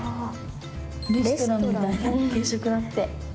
レストランみたいな給食だって。